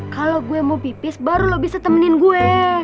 kalau gue mau pipis baru lo bisa temenin gue